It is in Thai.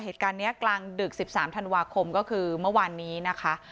เหตุการณ์นี้กลางดึก๑๓ธันวาคมก็คือเมื่อวานนี้นะคะ